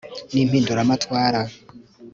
n'impinduramatwara